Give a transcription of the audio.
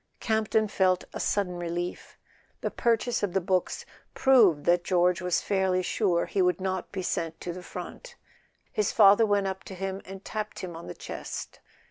Campton felt a sudden relief. The purchase of the books proved that George was fairly sure he would not be sent to the front. His father went up to him and tapped him on the chest.